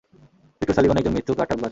Victor Sullivan একজন মিথ্যুক আর ঠগবাজ।